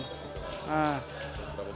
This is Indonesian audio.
berapa itu harga